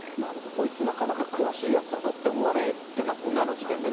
こいつ、なかなか詳しいやつだぞって思われていますもんね、あの時点でね。